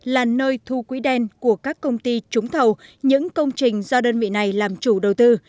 là nơi thu quỹ đen của các công ty trúng thầu những công trình do đơn vị này làm chủ đầu tư